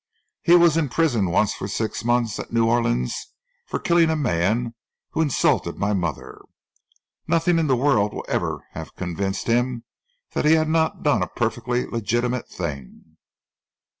He was in prison once for six months at New Orleans for killing a man who insulted my mother. Nothing in the world would ever have convinced him that he had not done a perfectly legitimate thing."